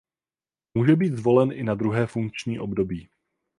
Může být zvolen i na druhé funkční období.